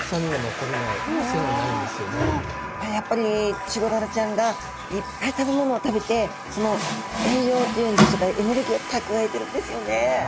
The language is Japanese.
やっぱりチゴダラちゃんがいっぱい食べ物を食べてその栄養というんでしょうかそれではですね